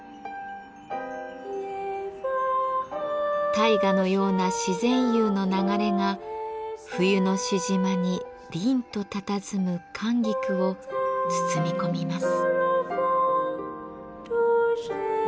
大河のような自然釉の流れが冬のしじまにりんとたたずむ寒菊を包み込みます。